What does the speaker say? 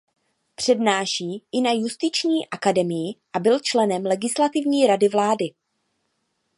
Přednáší i na Justiční akademii a byl členem Legislativní rady vlády.